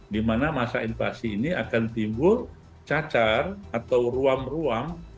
dimana masa invasi ini akan timbul cacar atau ruam ruam